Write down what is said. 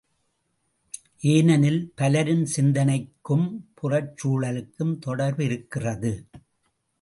ஏனெனில் பலரின் சிந்தனைக்கும் புறச் சூழலுக்கும் தொடர்பிருக்கிறது.